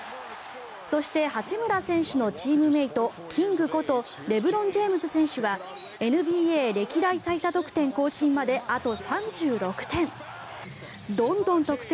そして八村選手のチームメートキングことレブロン・ジェームズ選手はＮＢＡ歴代最多得点更新まであと３６点。